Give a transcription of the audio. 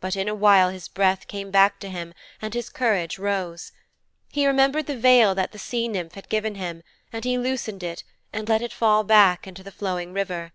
But in a while his breath came back to him and his courage rose. He remembered the veil that the Sea nymph had given him and he loosened it and let it fall back into the flowing river.